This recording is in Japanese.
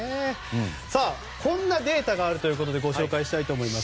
さあ、こんなデータがあるということでご紹介したいと思います。